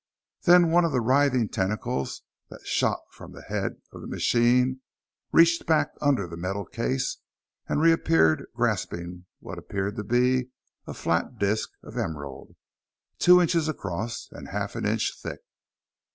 Then one of the writhing tentacles that shot from the "head" of the machine reached back under the metal case, and reappeared grasping what appeared to be a flat disk of emerald, two inches across and half an inch thick.